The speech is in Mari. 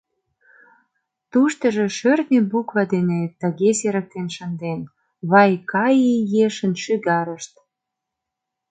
Туштыжо шӧртньӧ буква дене тыге серыктен шынден: «Вайкаи ешын шӱгарышт».